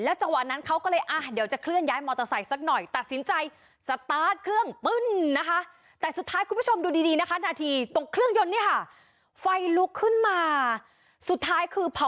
แล้วจังหวะนั้นเขาก็เลยอ่าเด็วจะเคลื่อนย้ายมอเตอร์ไซค์สักหน่อย